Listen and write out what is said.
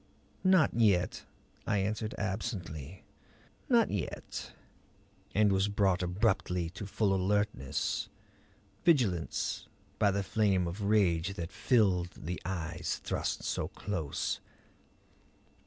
"Not yet," I answered absently. "Not yet." And was brought abruptly to full alertness, vigilance, by the flame of rage that filled the eyes thrust so close.